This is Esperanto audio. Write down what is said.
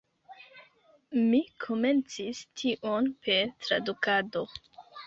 Mi komencis tion per tradukado.